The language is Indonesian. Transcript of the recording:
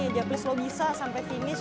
dia please lo bisa sampai finish